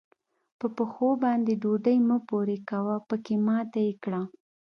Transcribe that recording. په پښو باندې ډوډۍ مه پورې کوه؛ پکې ماته يې کړه.